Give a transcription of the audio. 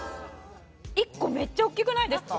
１個めっちゃ大きくないですか？